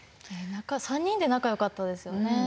３人で仲よかったですよね。